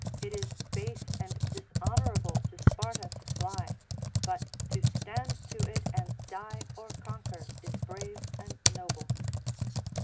it is base and dishonorable to Sparta to fly, but to stand to it and die or conquer is brave and noble.